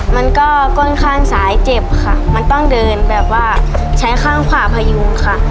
มันก็ก้นข้างซ้ายเจ็บค่ะมันต้องเดินแบบว่าใช้ข้างขวาพยุงค่ะ